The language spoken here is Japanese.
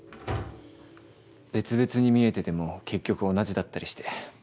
別々に見えてても結局同じだったりして。